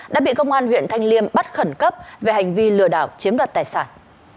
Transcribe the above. đã bị công an huyện thanh liêm bắt khẩn cấp về hành vi lừa đảo chiếm đoạt tài sản